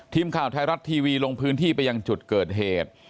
ทีมข่าวไทยรัฐทีวีลงพื้นที่ไปยังจุดเกิดเหตุ